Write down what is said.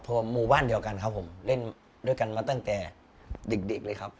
แต่ก่อนก็ไม่คิดนะครับว่าจะมาถึงจุดนี้นะครับ